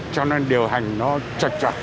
cho nên điều hành nó chật chật